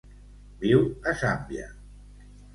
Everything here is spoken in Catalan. Viu a Zàmbia.